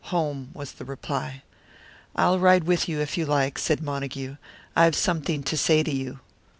"Home," was the reply. "I'll ride with you, if you like," said Montague. "I've something to say to you."